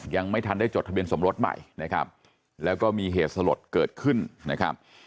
ยังไม่ทันได้จดทะเบียนสมรสใหม่นะครับแล้วก็มีเหตุสลดเกิดขึ้นนะครับ